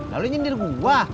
nah lu nyindir gua